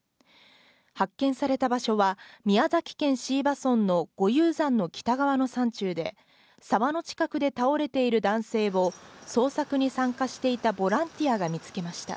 発見された場所は、宮崎県椎葉村の五勇山の北側の山中で、沢の近くで倒れている男性を、捜索に参加していたボランティアが見つけました。